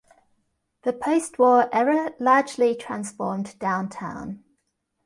The post-war era largely transformed downtown.